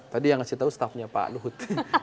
tadi yang kasih tau staffnya pak luhut